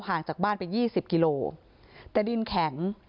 ห่างจากบ้านไป๒๐กิโลกรัมแต่ดินแข็ง